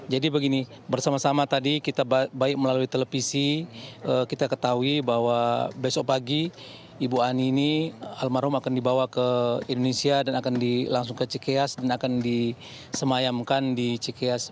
jadi begini bersama sama tadi kita baik melalui televisi kita ketahui bahwa besok pagi ibu ani ini almarhum akan dibawa ke indonesia dan akan langsung ke cikias dan akan disemayamkan di cikias